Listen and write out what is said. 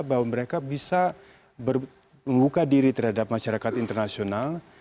bahwa mereka bisa membuka diri terhadap masyarakat internasional